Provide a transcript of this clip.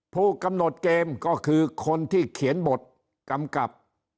ผู้กำหนดเกมก็คือคนที่เขียนบทกำกับ